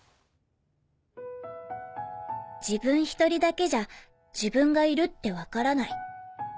自分一人だけじゃ自分がいるって分からない。